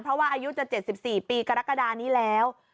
เพราะว่าอายุจะ๗๔ปีกรกฎานี้แล้ว